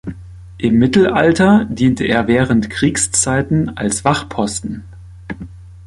Im Mittelalter diente er während Kriegszeiten als Wachposten.